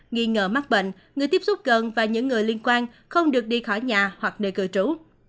nghi ngờ mắc bệnh người tiếp xúc gần và những người liên quan không được đi khỏi nhà hoặc nơi cư trú